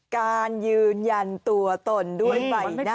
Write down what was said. การยืนยันตัวตนด้วยใบหน้า